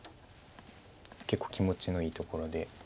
結構気持ちのいいところで。